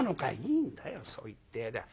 「いいんだよそう言ってやりゃ。